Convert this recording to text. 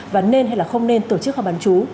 và nên hay không nên tổ chức học bán chú